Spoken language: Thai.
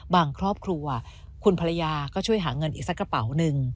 ครอบครัวคุณภรรยาก็ช่วยหาเงินอีกสักกระเป๋าหนึ่ง